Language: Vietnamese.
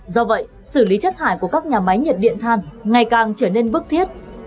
do vậy xử lý chất thải của các nhà máy nhiệt điện than ngày càng trở nên bức thiết